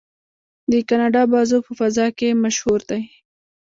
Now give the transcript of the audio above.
د کاناډا بازو په فضا کې مشهور دی.